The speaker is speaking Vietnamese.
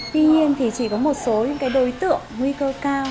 tuy nhiên thì chỉ có một số đối tượng nguy cơ cao